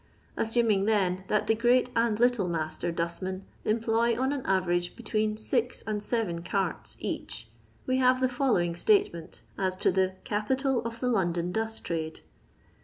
Assuming, then, that the great and little master dustmen employ on an average between six and seren carts each, we have the following statement as to the Capital of tok Losdon Dust Tp.ade.